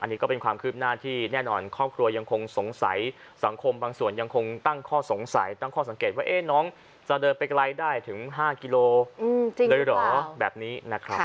อันนี้ก็เป็นความคืบหน้าที่แน่นอนครอบครัวยังคงสงสัยสังคมบางส่วนยังคงตั้งข้อสงสัยตั้งข้อสังเกตว่าน้องจะเดินไปไกลได้ถึง๕กิโลเลยเหรอแบบนี้นะครับ